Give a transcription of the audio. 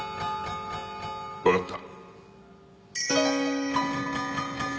分かった。